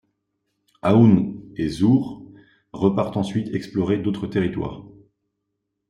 Aoûn et Zoûhr repartent ensuite explorer d'autres territoires.